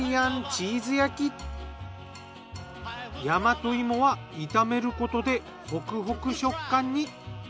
大和芋は炒めることでホクホク食感に。